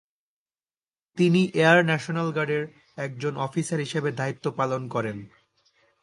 তিনি air national গার্ডের একজন অফিসার হিসেবে দায়িত্ব পালন করেন।